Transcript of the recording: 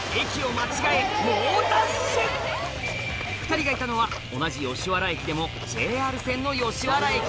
２人がいたのは同じ吉原駅でもＪＲ線の吉原駅